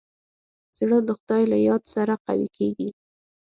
زړه د خدای له یاد سره قوي کېږي.